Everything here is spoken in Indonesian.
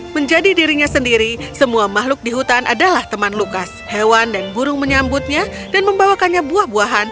menjadi dirinya sendiri semua makhluk di hutan adalah teman lukas hewan dan burung menyambutnya dan membawakannya buah buahan